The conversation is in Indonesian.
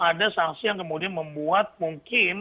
ada sanksi yang kemudian memuat mungkin